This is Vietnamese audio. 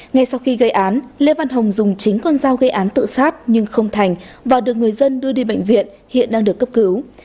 ngay sau khi gây án lê văn hồng dùng chính con dao gây án tự sát nhưng không thành và được người dân đưa đi bệnh viện hiện đang được cấp cứu